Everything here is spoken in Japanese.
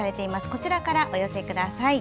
こちらからお寄せください。